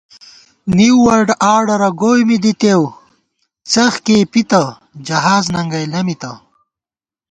نِیؤ ورلڈآرڈرَہ گوئی می دِتېؤ څخ کېئ پِتہ جہاز ننگَئ لَمِتہ